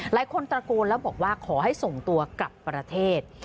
ตระโกนแล้วบอกว่าขอให้ส่งตัวกลับประเทศ